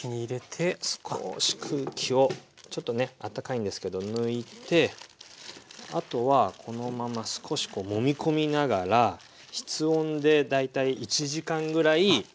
少し空気をちょっとねあったかいんですけど抜いてあとはこのまま少しもみ込みながら室温で大体１時間ぐらいおいて。